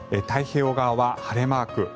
太平洋側は晴れマーク。